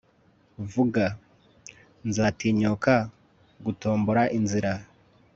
vuga! nzatinyuka gutombora inzira